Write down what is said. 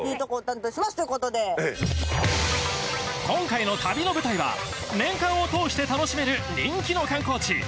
今回の旅の舞台は年間を通して楽しめる人気の観光地